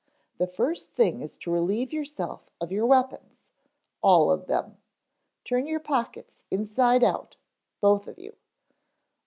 The first thing is to relieve yourself of your weapons, all of them. Turn your pockets inside out, both of you."